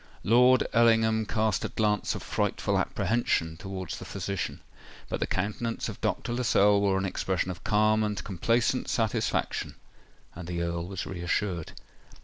Lord Ellingham cast a glance of frightful apprehension towards the physician; but the countenance of Dr. Lascelles wore an expression of calm and complacent satisfaction—and the Earl was reassured.